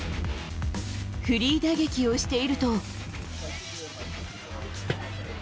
フリー打撃をしていると。